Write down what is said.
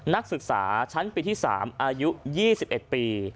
นักศึกษาชั้นปีที่๓อายุ๒๑ปี